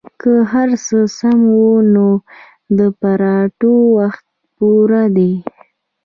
که هرڅه سم وو نو د اپراتو وخت پوره ديه.